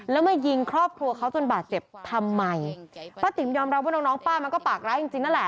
แล้วมายิงครอบครัวเขาจนบาดเจ็บทำไม